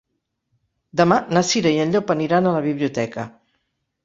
Demà na Cira i en Llop aniran a la biblioteca.